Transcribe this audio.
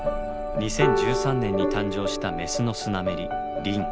２０１３年に誕生したメスのスナメリ輪。